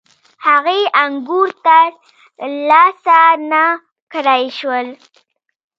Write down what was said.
هغې انګور ترلاسه نه کړای شول.